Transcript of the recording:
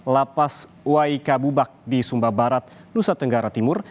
lapas waikabubak di sumba barat nusa tenggara timur